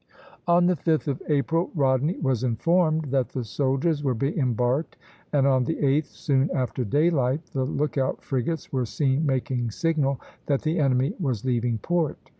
On the 5th of April Rodney was informed that the soldiers were being embarked, and on the 8th, soon after daylight, the lookout frigates were seen making signal that the enemy was leaving port.